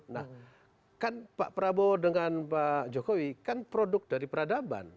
nah kan pak prabowo dengan pak jokowi kan produk dari peradaban